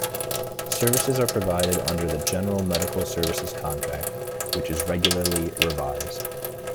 Services are provided under the General Medical Services Contract, which is regularly revised.